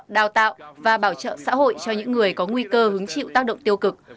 đào tạo và bảo trợ xã hội cho những người có nguy cơ hứng chịu tác động tiêu cực